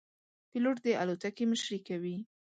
پیلوټ د الوتکې مشري کوي.